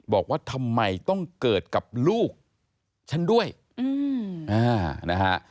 บอกว่าทำไมต้องเกิดกับลูกฉันด้วยนะฮะ